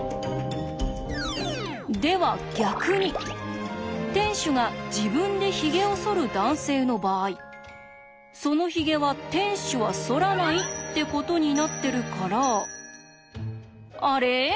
では逆に店主が自分でヒゲをそる男性の場合そのヒゲは店主はそらないってことになってるからあれ？